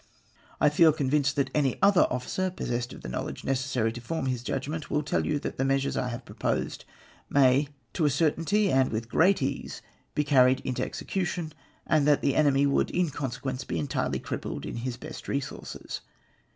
I feel convinced that any other officer possessed of the knowledge necessary to form his judgment mil tell you that the measures I have proposed may to a certainty and with great ease he carried into execu tion ; and that the enemy would, in consequence, be entirely crippled in his best resources.